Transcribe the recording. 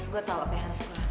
gue tau apa yang harus gue lakuin